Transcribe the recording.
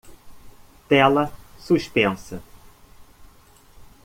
Tela suspensa